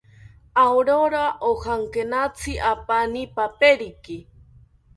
Aurora ojankinatzi apani peperiki